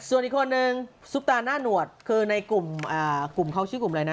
ส่วนอีกคนนึงซุปตาหน้าหนวดคือในกลุ่มเขาชื่อกลุ่มอะไรนะ